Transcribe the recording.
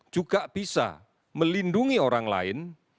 juga bisa melindungi orang lain